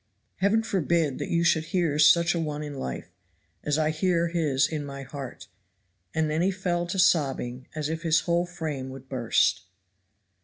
Heaven forbid that you should hear such a one in life, as I hear his in my heart, and then he fell to sobbing as if his whole frame would burst.